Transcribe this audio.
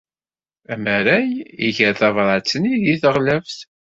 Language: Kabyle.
Amaray iger tabrat-nni deg teɣlaft.